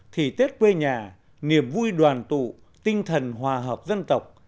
thì tết quê nhà niềm vui đoàn tụ tinh thần hòa hợp dân tộc